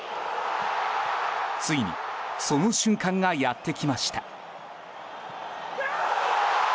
ついにその瞬間がやってきました。